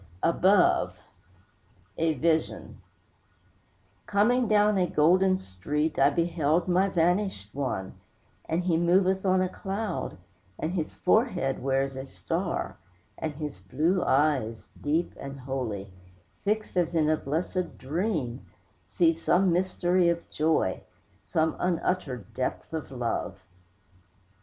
ABOVE A VISION Coming down a golden street I beheld my vanished one, And he moveth on a cloud, And his forehead wears a star; And his blue eyes, deep and holy, Fixed as in a blessèd dream, See some mystery of joy, Some unuttered depth of love.